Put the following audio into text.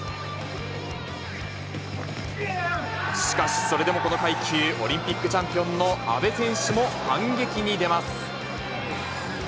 しかし、それでもこの階級オリンピックチャンピオンの阿部選手も反撃に出ます。